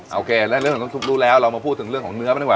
เออเรื่องต้นซุปรู้แล้วเรามาพูดเรื่องของเนื้อไปดีกว่า